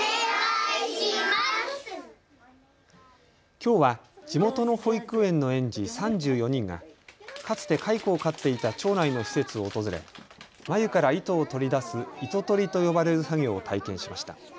きょうは地元の保育園の園児３４人が、かつて蚕を飼っていた町内の施設を訪れ繭から糸を取り出す糸取りと呼ばれる作業を体験しました。